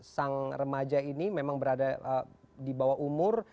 sang remaja ini memang berada di bawah umur